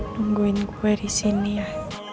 nungguin kue di sini ya